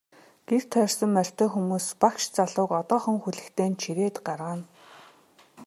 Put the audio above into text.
Гэр тойрсон морьтой хүмүүс багш залууг одоохон хүлэгтэй нь чирээд гаргана.